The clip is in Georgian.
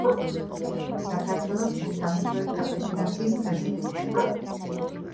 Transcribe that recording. საქართველოს მთამსვლელთა ფედერაციის პრეზიდენტი.